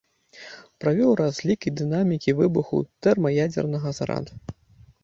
Правёў разлік і дынамікі выбуху тэрмаядзернага зараду.